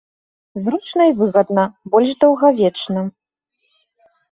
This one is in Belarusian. Зручна і выгадна, больш даўгавечна.